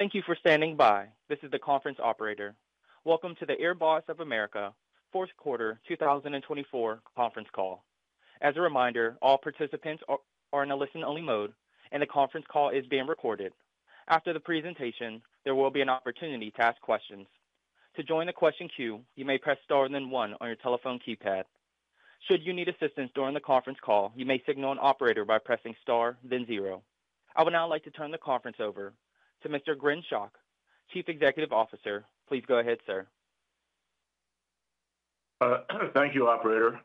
Thank you for standing by. This is the conference operator. Welcome to the AirBoss of America fourth quarter 2024 conference call. As a reminder, all participants are in a listen-only mode, and the conference call is being recorded. After the presentation, there will be an opportunity to ask questions. To join the question queue, you may press star then one on your telephone keypad. Should you need assistance during the conference call, you may signal an operator by pressing star then zero. I would now like to turn the conference over to Mr. Gren Schoch, Chief Executive Officer. Please go ahead, sir. Thank you, Operator.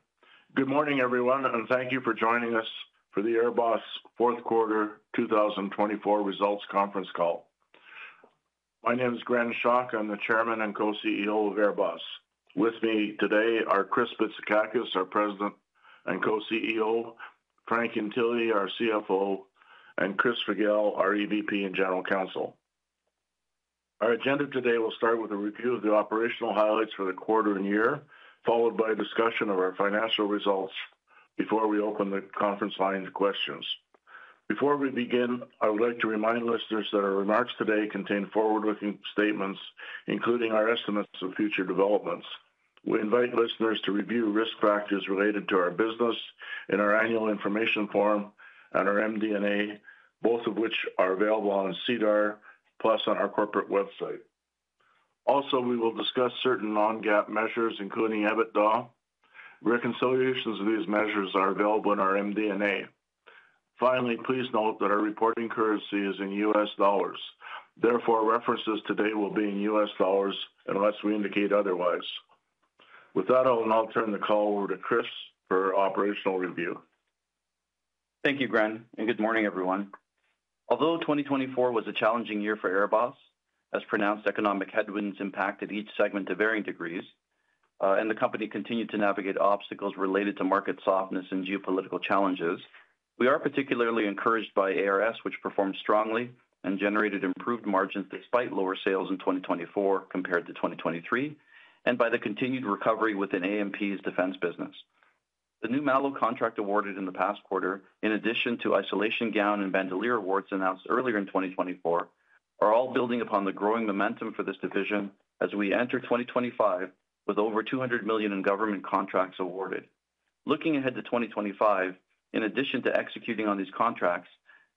Good morning, everyone, and thank you for joining us for the AirBoss fourth quarter 2024 results conference call. My name is Gren Schoch. I'm the Chairman and Co-CEO of AirBoss. With me today are Chris Bitsakakis, our President and Co-CEO; Frank Ientile, our CFO; and Chris Figel, our EVP and General Counsel. Our agenda today will start with a review of the operational highlights for the quarter and year, followed by a discussion of our financial results before we open the conference line to questions. Before we begin, I would like to remind listeners that our remarks today contain forward-looking statements, including our estimates of future developments. We invite listeners to review risk factors related to our business in our annual information form and our MD&A, both of which are available on SEDAR, plus on our corporate website. Also, we will discuss certain non-GAAP measures, including EBITDA. Reconciliations of these measures are available in our MD&A. Finally, please note that our reporting currency is in U.S. dollars. Therefore, references today will be in U.S. dollars unless we indicate otherwise. With that, I'll now turn the call over to Chris for operational review. Thank you, Gren, and good morning, everyone. Although 2024 was a challenging year for AirBoss of America, as pronounced economic headwinds impacted each segment to varying degrees, and the company continued to navigate obstacles related to market softness and geopolitical challenges, we are particularly encouraged by ARS, which performed strongly and generated improved margins despite lower sales in 2024 compared to 2023, and by the continued recovery within AMP's defense business. The new MOLO contract awarded in the past quarter, in addition to Isolation Gown and Bandoleer awards announced earlier in 2024, are all building upon the growing momentum for this division as we enter 2025 with over $200 million in government contracts awarded. Looking ahead to 2025, in addition to executing on these contracts,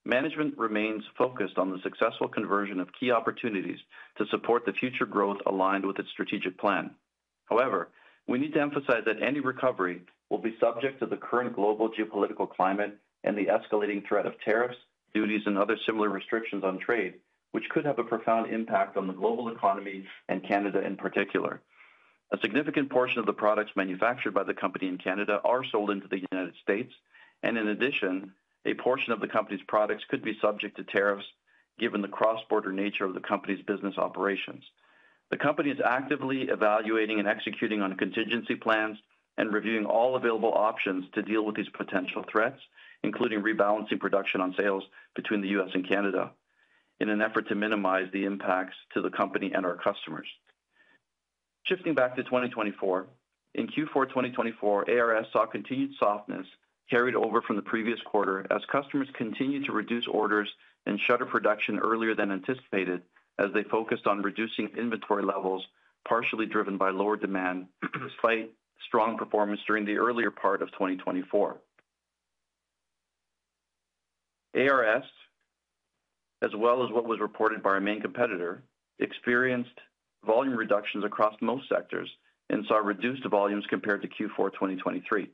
management remains focused on the successful conversion of key opportunities to support the future growth aligned with its strategic plan. However, we need to emphasize that any recovery will be subject to the current global geopolitical climate and the escalating threat of tariffs, duties, and other similar restrictions on trade, which could have a profound impact on the global economy and Canada in particular. A significant portion of the products manufactured by the company in Canada are sold into the United States, and in addition, a portion of the company's products could be subject to tariffs given the cross-border nature of the company's business operations. The company is actively evaluating and executing on contingency plans and reviewing all available options to deal with these potential threats, including rebalancing production on sales between the U.S. and Canada in an effort to minimize the impacts to the company and our customers. Shifting back to 2024, in Q4 2024, ARS saw continued softness carried over from the previous quarter as customers continued to reduce orders and shutter production earlier than anticipated as they focused on reducing inventory levels, partially driven by lower demand despite strong performance during the earlier part of 2024. ARS, as well as what was reported by our main competitor, experienced volume reductions across most sectors and saw reduced volumes compared to Q4 2023.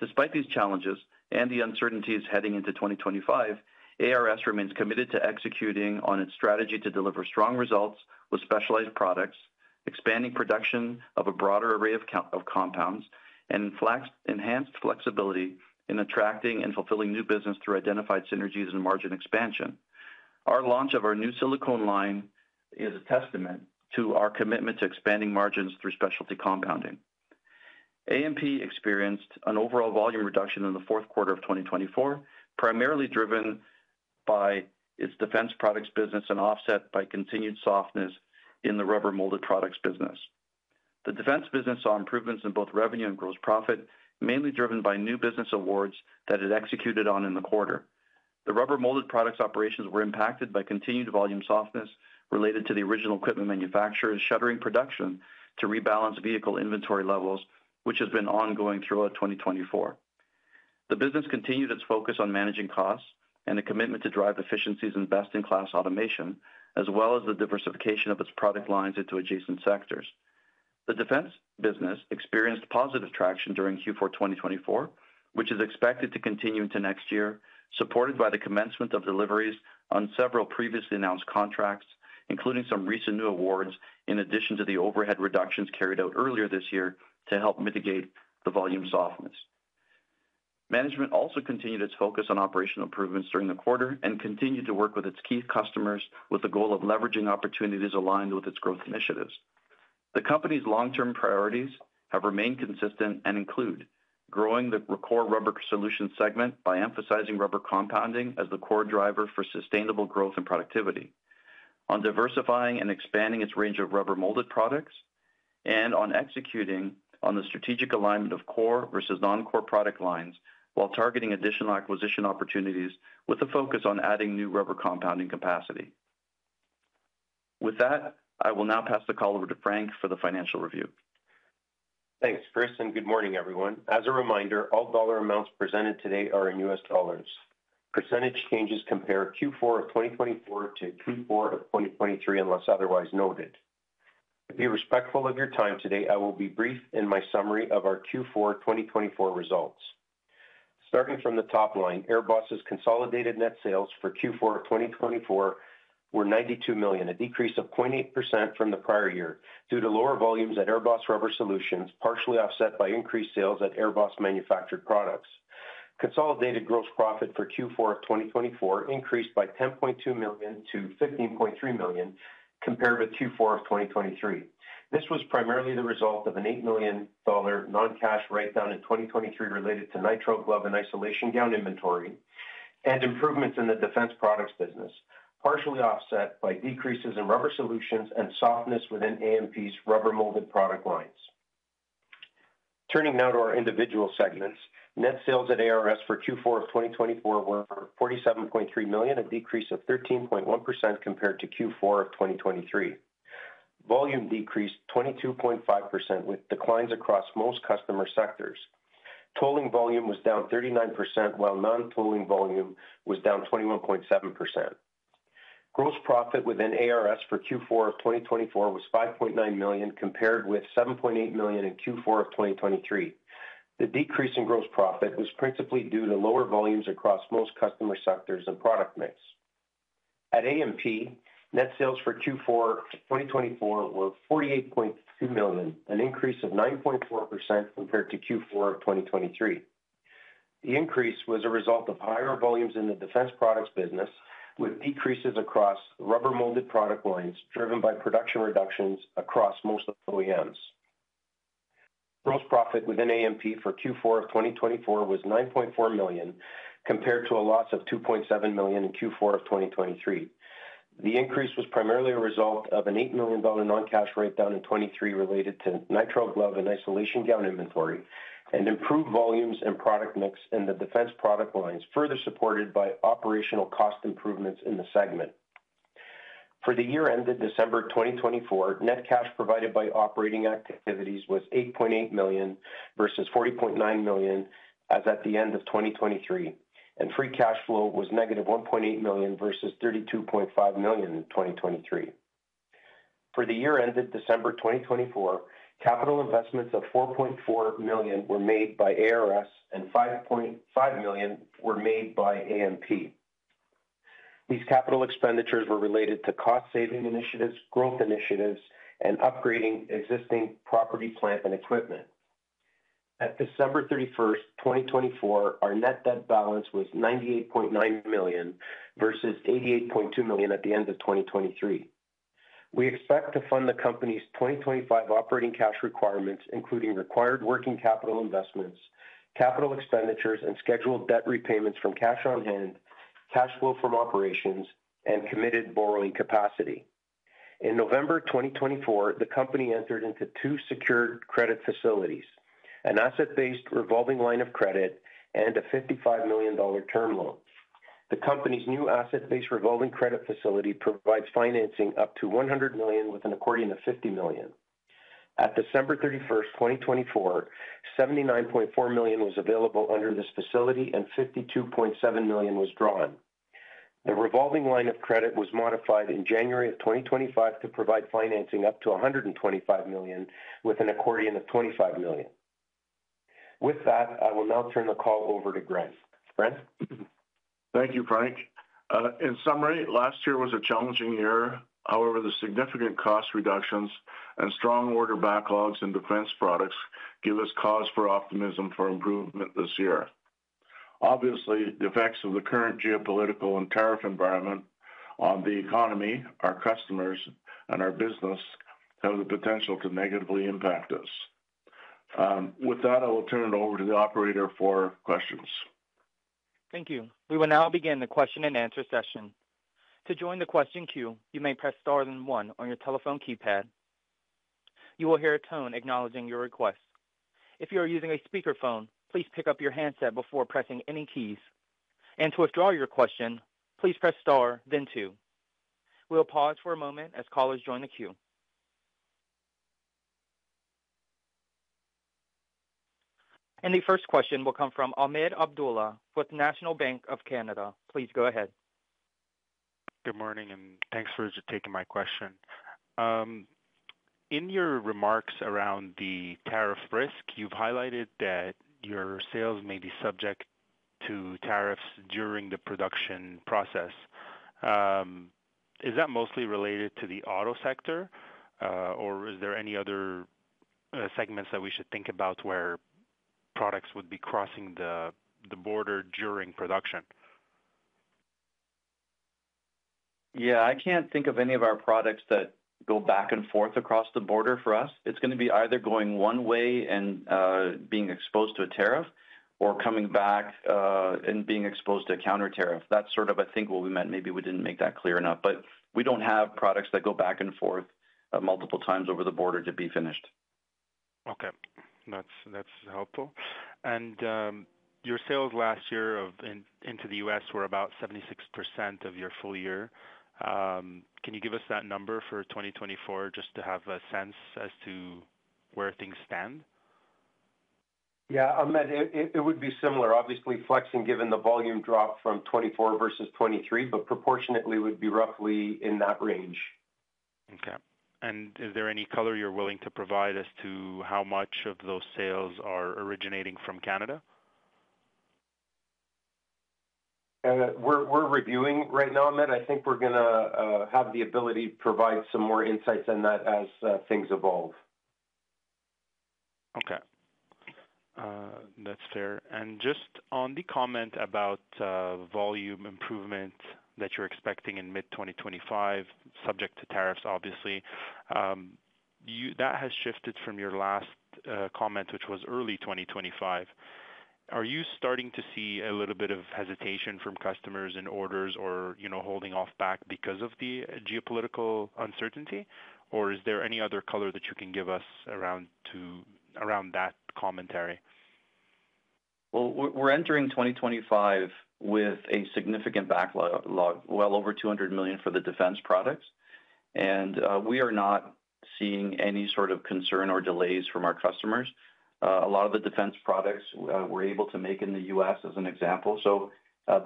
Despite these challenges and the uncertainties heading into 2025, ARS remains committed to executing on its strategy to deliver strong results with specialized products, expanding production of a broader array of compounds, and enhanced flexibility in attracting and fulfilling new business through identified synergies and margin expansion. Our launch of our new silicone line is a testament to our commitment to expanding margins through specialty compounding. AMP experienced an overall volume reduction in the fourth quarter of 2024, primarily driven by its defense products business and offset by continued softness in the rubber-molded products business. The defense business saw improvements in both revenue and gross profit, mainly driven by new business awards that it executed on in the quarter. The rubber-molded products operations were impacted by continued volume softness related to the original equipment manufacturers shuttering production to rebalance vehicle inventory levels, which has been ongoing throughout 2024. The business continued its focus on managing costs and a commitment to drive efficiencies and best-in-class automation, as well as the diversification of its product lines into adjacent sectors. The defense business experienced positive traction during Q4 2024, which is expected to continue into next year, supported by the commencement of deliveries on several previously announced contracts, including some recent new awards in addition to the overhead reductions carried out earlier this year to help mitigate the volume softness. Management also continued its focus on operational improvements during the quarter and continued to work with its key customers with the goal of leveraging opportunities aligned with its growth initiatives. The company's long-term priorities have remained consistent and include growing the core rubber solutions segment by emphasizing rubber compounding as the core driver for sustainable growth and productivity, on diversifying and expanding its range of rubber-molded products, and on executing on the strategic alignment of core versus non-core product lines while targeting additional acquisition opportunities with a focus on adding new rubber compounding capacity. With that, I will now pass the call over to Frank for the financial review. Thanks, Chris, and good morning, everyone. As a reminder, all dollar amounts presented today are in U.S. dollars. Percentage changes compare Q4 of 2024 to Q4 of 2023 unless otherwise noted. To be respectful of your time today, I will be brief in my summary of our Q4 2024 results. Starting from the top line, AirBoss of America's consolidated net sales for Q4 of 2024 were $92 million, a decrease of 0.8% from the prior year due to lower volumes at AirBoss Rubber Solutions, partially offset by increased sales at AirBoss Manufactured Products. Consolidated gross profit for Q4 of 2024 increased by $10.2 million to $15.3 million compared with Q4 of 2023. This was primarily the result of an $8 million non-cash write-down in 2023 related to nitrile glove and isolation gown inventory and improvements in the defense products business, partially offset by decreases in rubber solutions and softness within AMP's rubber-molded product lines. Turning now to our individual segments, net sales at ARS for Q4 of 2024 were $47.3 million, a decrease of 13.1% compared to Q4 of 2023. Volume decreased 22.5% with declines across most customer sectors. Tolling volume was down 39%, while non-tolling volume was down 21.7%. Gross profit within ARS for Q4 of 2024 was $5.9 million compared with $7.8 million in Q4 of 2023. The decrease in gross profit was principally due to lower volumes across most customer sectors and product mix. At AMP, net sales for Q4 2024 were $48.2 million, an increase of 9.4% compared to Q4 of 2023. The increase was a result of higher volumes in the defense products business, with decreases across rubber-molded product lines driven by production reductions across most OEMs. Gross profit within AMP for Q4 of 2024 was $9.4 million compared to a loss of $2.7 million in Q4 of 2023. The increase was primarily a result of an $8 million non-cash write-down in 2023 related to nitrile glove and isolation gown inventory and improved volumes and product mix in the defense product lines, further supported by operational cost improvements in the segment. For the year ended December 2024, net cash provided by operating activities was $8.8 million versus $40.9 million as at the end of 2023, and free cash flow was negative $1.8 million versus $32.5 million in 2023. For the year ended December 2024, capital investments of $4.4 million were made by ARS, and $5.5 million were made by AMP. These capital expenditures were related to cost-saving initiatives, growth initiatives, and upgrading existing property, plant, and equipment. At December 31, 2024, our net debt balance was $98.9 million versus $88.2 million at the end of 2023. We expect to fund the company's 2025 operating cash requirements, including required working capital investments, capital expenditures, and scheduled debt repayments from cash on hand, cash flow from operations, and committed borrowing capacity. In November 2024, the company entered into two secured credit facilities: an asset-based revolving line of credit and a $55 million term loan. The company's new asset-based revolving credit facility provides financing up to $100 million with an accordion of $50 million. At December 31, 2024, $79.4 million was available under this facility, and $52.7 million was drawn. The revolving line of credit was modified in January of 2025 to provide financing up to $125 million with an accordion of $25 million. With that, I will now turn the call over to Gren. Gren? Thank you, Frank. In summary, last year was a challenging year. However, the significant cost reductions and strong order backlogs in defense products give us cause for optimism for improvement this year. Obviously, the effects of the current geopolitical and tariff environment on the economy, our customers, and our business have the potential to negatively impact us. With that, I will turn it over to the Operator for questions. Thank you. We will now begin the question-and-answer session. To join the question queue, you may press star then one on your telephone keypad. You will hear a tone acknowledging your request. If you are using a speakerphone, please pick up your handset before pressing any keys. To withdraw your question, please press star then two. We'll pause for a moment as callers join the queue. The first question will come from Ahmed Abdullah with National Bank of Canada. Please go ahead. Good morning, and thanks for taking my question. In your remarks around the tariff risk, you've highlighted that your sales may be subject to tariffs during the production process. Is that mostly related to the auto sector, or is there any other segments that we should think about where products would be crossing the border during production? Yeah, I can't think of any of our products that go back and forth across the border for us. It's going to be either going one way and being exposed to a tariff or coming back and being exposed to a countertariff. That's sort of, I think, what we meant. Maybe we didn't make that clear enough. We don't have products that go back and forth multiple times over the border to be finished. Okay. That's helpful. Your sales last year into the U.S. were about 76% of your full year. Can you give us that number for 2024, just to have a sense as to where things stand? Yeah, Ahmed, it would be similar. Obviously, flexing given the volume drop from 2024 versus 2023, but proportionately would be roughly in that range. Okay. Is there any color you're willing to provide as to how much of those sales are originating from Canada? We're reviewing right now, Ahmed. I think we're going to have the ability to provide some more insights on that as things evolve. Okay. That's fair. Just on the comment about volume improvement that you're expecting in mid-2025, subject to tariffs, obviously, that has shifted from your last comment, which was early 2025. Are you starting to see a little bit of hesitation from customers in orders or holding off back because of the geopolitical uncertainty? Is there any other color that you can give us around that commentary? We're entering 2025 with a significant backlog, well over $200 million for the defense products. We are not seeing any sort of concern or delays from our customers. A lot of the defense products we're able to make in the U.S., as an example.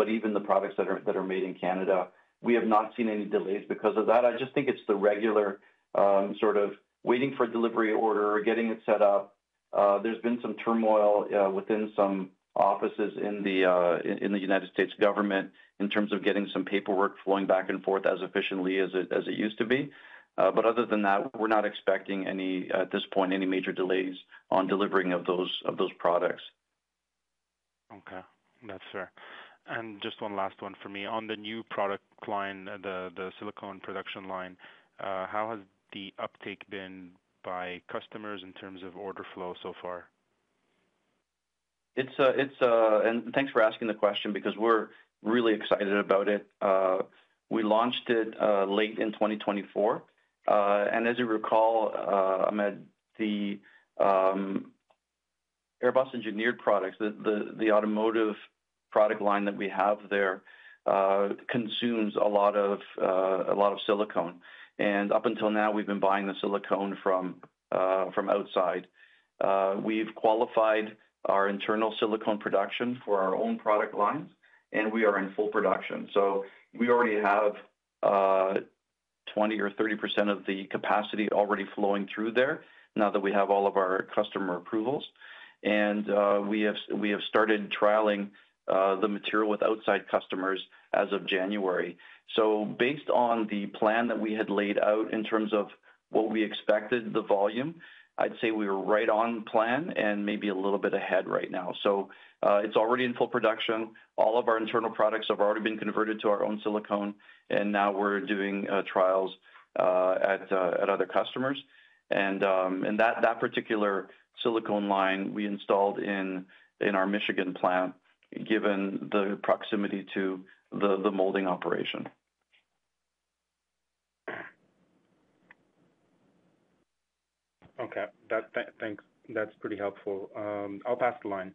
Even the products that are made in Canada, we have not seen any delays because of that. I just think it's the regular sort of waiting for a delivery order or getting it set up. There's been some turmoil within some offices in the United States government in terms of getting some paperwork flowing back and forth as efficiently as it used to be. Other than that, we're not expecting at this point any major delays on delivering of those products. Okay. That's fair. Just one last one for me. On the new product line, the silicone production line, how has the uptake been by customers in terms of order flow so far? Thanks for asking the question because we're really excited about it. We launched it late in 2024. As you recall, Ahmed, the AirBoss engineered products, the automotive product line that we have there consumes a lot of silicone. Up until now, we've been buying the silicone from outside. We've qualified our internal silicone production for our own product lines, and we are in full production. We already have 20%-30% of the capacity already flowing through there now that we have all of our customer approvals. We have started trialing the material with outside customers as of January. Based on the plan that we had laid out in terms of what we expected, the volume, I'd say we were right on plan and maybe a little bit ahead right now. It's already in full production. All of our internal products have already been converted to our own silicone, and now we're doing trials at other customers. That particular silicone line, we installed in our Michigan plant given the proximity to the molding operation. Okay. That's pretty helpful. I'll pass the line.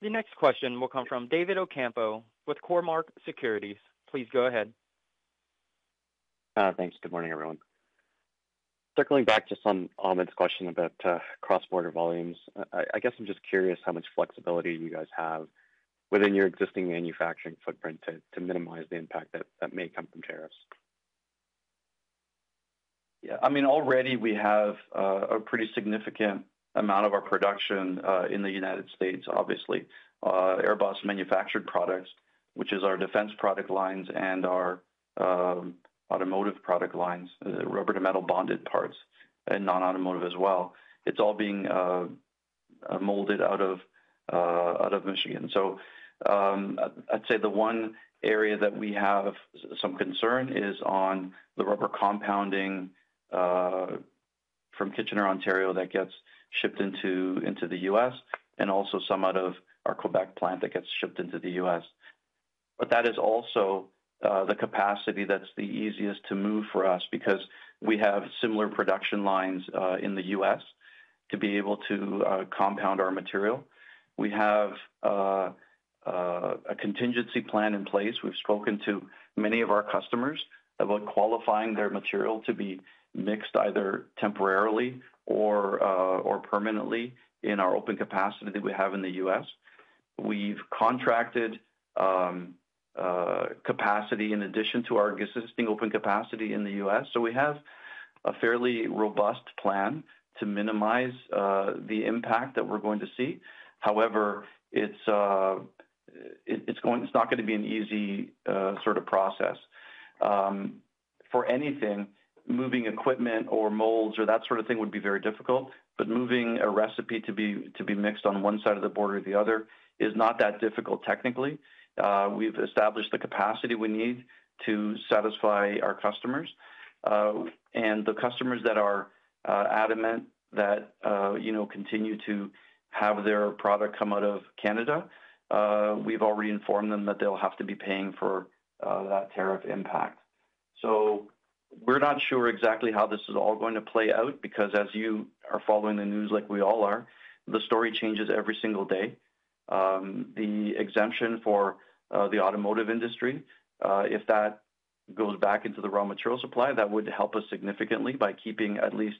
The next question will come from David Ocampo with Cormark Securities. Please go ahead. Thanks. Good morning, everyone. Circling back to Ahmed's question about cross-border volumes, I guess I'm just curious how much flexibility you guys have within your existing manufacturing footprint to minimize the impact that may come from tariffs. Yeah. I mean, already we have a pretty significant amount of our production in the United States, obviously. AirBoss Manufactured Products, which is our defense product lines and our automotive product lines, rubber-to-metal bonded parts, and non-automotive as well. It's all being molded out of Michigan. I'd say the one area that we have some concern is on the rubber compounding from Kitchener, Ontario, that gets shipped into the U.S., and also some out of our Quebec plant that gets shipped into the U.S. That is also the capacity that's the easiest to move for us because we have similar production lines in the U.S. to be able to compound our material. We have a contingency plan in place. We've spoken to many of our customers about qualifying their material to be mixed either temporarily or permanently in our open capacity that we have in the U.S. We've contracted capacity in addition to our existing open capacity in the U.S. We have a fairly robust plan to minimize the impact that we're going to see. However, it's not going to be an easy sort of process. For anything, moving equipment or molds or that sort of thing would be very difficult. Moving a recipe to be mixed on one side of the border or the other is not that difficult technically. We've established the capacity we need to satisfy our customers. The customers that are adamant that continue to have their product come out of Canada, we've already informed them that they'll have to be paying for that tariff impact. We're not sure exactly how this is all going to play out because, as you are following the news like we all are, the story changes every single day. The exemption for the automotive industry, if that goes back into the raw material supply, that would help us significantly by keeping at least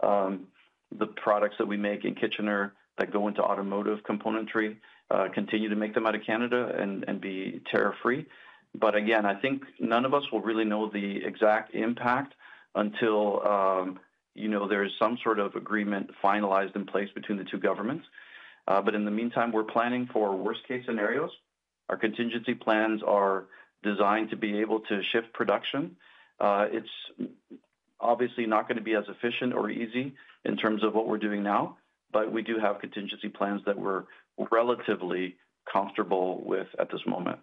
the products that we make in Kitchener that go into automotive componentry continue to make them out of Canada and be tariff-free. I think none of us will really know the exact impact until there is some sort of agreement finalized in place between the two governments. In the meantime, we're planning for worst-case scenarios. Our contingency plans are designed to be able to shift production. It's obviously not going to be as efficient or easy in terms of what we're doing now, but we do have contingency plans that we're relatively comfortable with at this moment.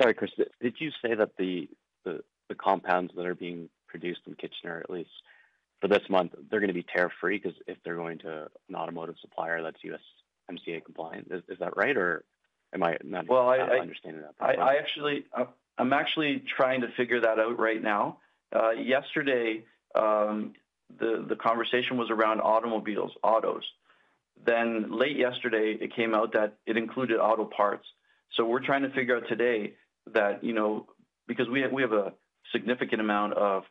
Sorry, Chris. Did you say that the compounds that are being produced in Kitchener at least for this month, they're going to be tariff-free because if they're going to an automotive supplier, that's USMCA compliant? Is that right, or am I not understanding that? I'm actually trying to figure that out right now. Yesterday, the conversation was around automobiles, autos. Late yesterday, it came out that it included auto parts. We're trying to figure out today that because we have a significant amount of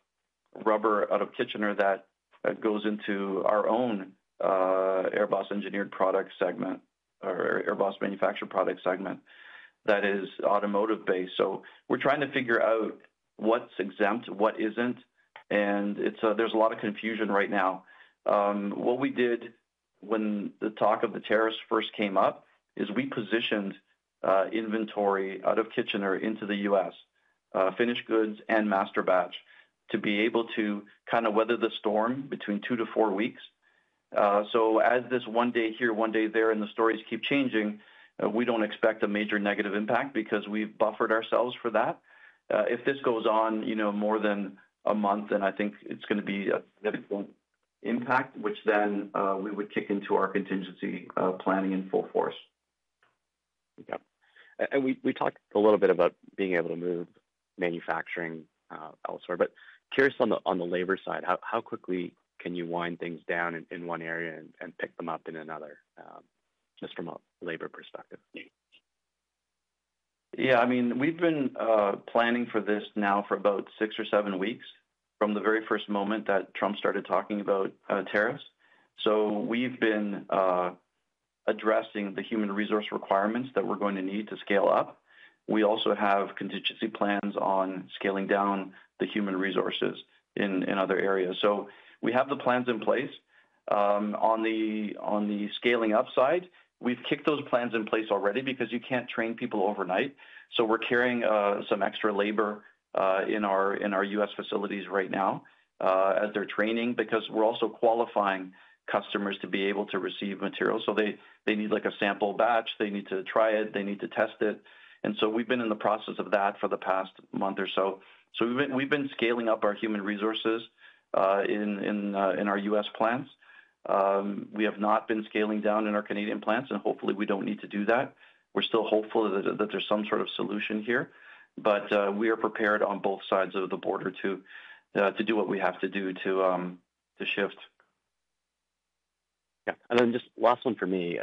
rubber out of Kitchener that goes into our own AirBoss engineered product segment or AirBoss manufactured product segment that is automotive-based. We're trying to figure out what's exempt, what isn't. There's a lot of confusion right now. What we did when the talk of the tariffs first came up is we positioned inventory out of Kitchener into the U.S., finished goods and master batch to be able to kind of weather the storm between two to four weeks. As this one day here, one day there, and the stories keep changing, we don't expect a major negative impact because we've buffered ourselves for that. If this goes on more than a month, then I think it's going to be a significant impact, which then we would kick into our contingency planning in full force. Okay. We talked a little bit about being able to move manufacturing elsewhere. Curious on the labor side, how quickly can you wind things down in one area and pick them up in another just from a labor perspective? Yeah. I mean, we've been planning for this now for about six or seven weeks from the very first moment that Trump started talking about tariffs. We've been addressing the human resource requirements that we're going to need to scale up. We also have contingency plans on scaling down the human resources in other areas. We have the plans in place. On the scaling up side, we've kicked those plans in place already because you can't train people overnight. We're carrying some extra labor in our U.S. facilities right now as they're training because we're also qualifying customers to be able to receive material. They need a sample batch. They need to try it. They need to test it. We've been in the process of that for the past month or so. We've been scaling up our human resources in our U.S. plants. We have not been scaling down in our Canadian plants, and hopefully, we don't need to do that. We're still hopeful that there's some sort of solution here. We are prepared on both sides of the border to do what we have to do to shift. Yeah. Then just last one for me.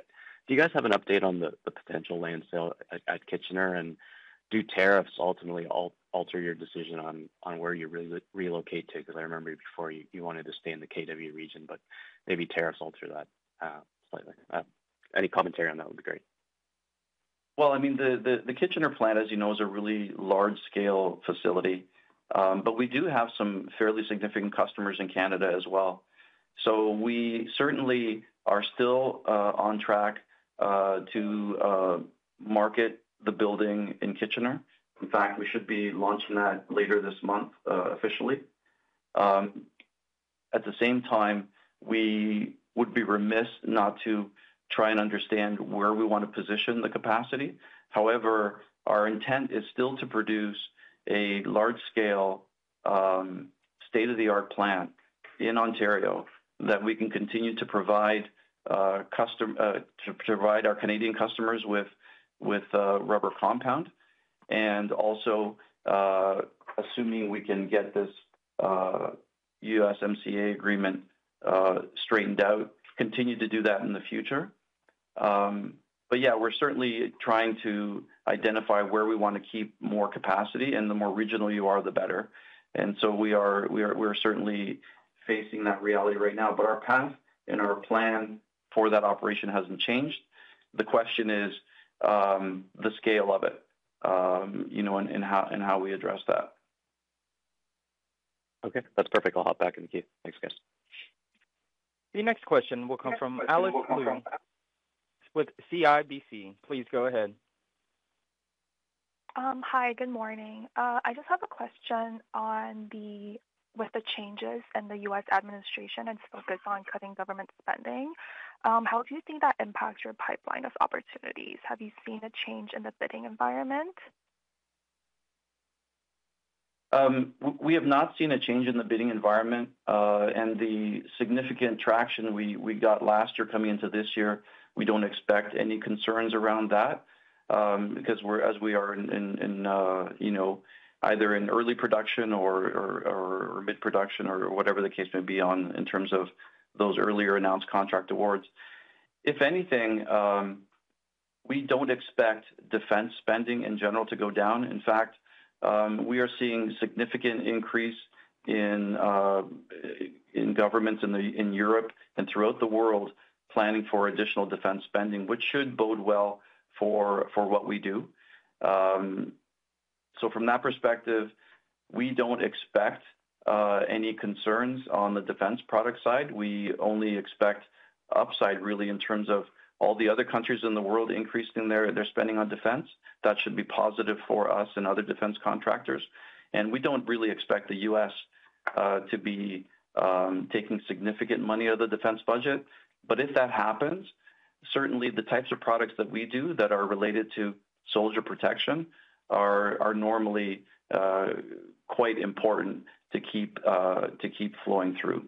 Do you guys have an update on the potential land sale at Kitchener? Do tariffs ultimately alter your decision on where you relocate to? I remember before you wanted to stay in the KW region, but maybe tariffs alter that slightly. Any commentary on that would be great. I mean, the Kitchener plant, as you know, is a really large-scale facility. But we do have some fairly significant customers in Canada as well. We certainly are still on track to market the building in Kitchener. In fact, we should be launching that later this month officially. At the same time, we would be remiss not to try and understand where we want to position the capacity. However, our intent is still to produce a large-scale state-of-the-art plant in Ontario that we can continue to provide our Canadian customers with rubber compound. Also, assuming we can get this USMCA agreement straightened out, continue to do that in the future. Yeah, we're certainly trying to identify where we want to keep more capacity. The more regional you are, the better. We are certainly facing that reality right now. Our path and our plan for that operation hasn't changed. The question is the scale of it and how we address that. Okay. That's perfect. I'll hop back in the queue. Thanks, guys. The next question will come from Alex Lewis with CIBC. Please go ahead. Hi. Good morning. I just have a question with the changes in the U.S. administration and focus on cutting government spending. How do you think that impacts your pipeline of opportunities? Have you seen a change in the bidding environment? We have not seen a change in the bidding environment. The significant traction we got last year coming into this year, we don't expect any concerns around that because as we are in either early production or mid-production or whatever the case may be in terms of those earlier announced contract awards. If anything, we don't expect defense spending in general to go down. In fact, we are seeing a significant increase in governments in Europe and throughout the world planning for additional defense spending, which should bode well for what we do. From that perspective, we don't expect any concerns on the defense product side. We only expect upside really in terms of all the other countries in the world increasing their spending on defense. That should be positive for us and other defense contractors. We don't really expect the U.S. to be taking significant money out of the defense budget. If that happens, certainly the types of products that we do that are related to soldier protection are normally quite important to keep flowing through.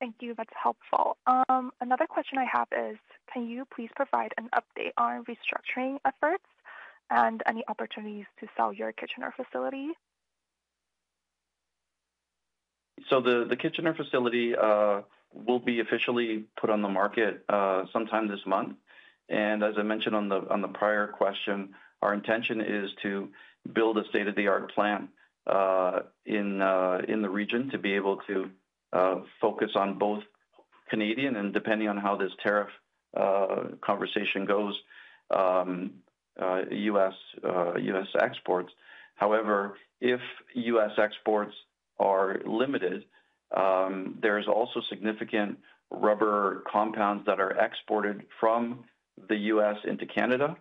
Thank you. That's helpful. Another question I have is, can you please provide an update on restructuring efforts and any opportunities to sell your Kitchener facility? The Kitchener facility will be officially put on the market sometime this month. As I mentioned on the prior question, our intention is to build a state-of-the-art plant in the region to be able to focus on both Canadian and, depending on how this tariff conversation goes, U.S. exports. However, if U.S. exports are limited, there is also significant rubber compounds that are exported from the U.S. into Canada.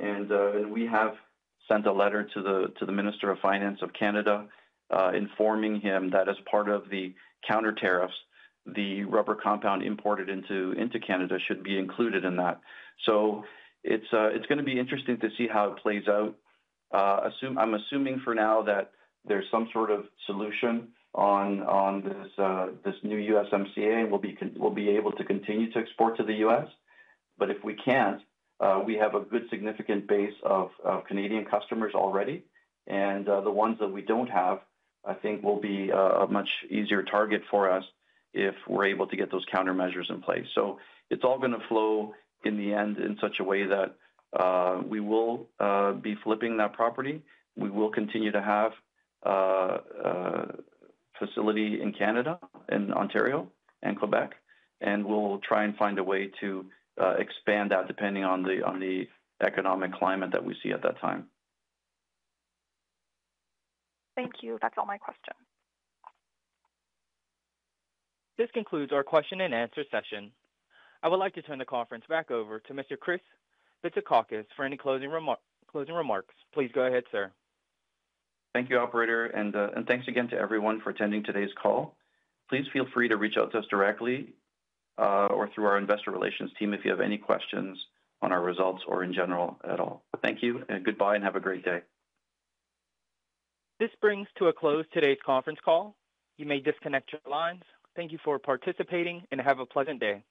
We have sent a letter to the Minister of Finance of Canada informing him that as part of the counter tariffs, the rubber compound imported into Canada should be included in that. It is going to be interesting to see how it plays out. I'm assuming for now that there's some sort of solution on this new USMCA and we'll be able to continue to export to the U.S. If we can't, we have a good significant base of Canadian customers already. The ones that we don't have, I think, will be a much easier target for us if we're able to get those countermeasures in place. It is all going to flow in the end in such a way that we will be flipping that property. We will continue to have facility in Canada and Ontario and Quebec. We'll try and find a way to expand that depending on the economic climate that we see at that time. Thank you. That's all my questions. This concludes our question and answer session. I would like to turn the conference back over to Mr. Chris Bitsakakis for any closing remarks. Please go ahead, sir. Thank you, Operator. Thank you again to everyone for attending today's call. Please feel free to reach out to us directly or through our investor relations team if you have any questions on our results or in general at all. Thank you. Goodbye and have a great day. This brings to a close today's conference call. You may disconnect your lines. Thank you for participating and have a pleasant day.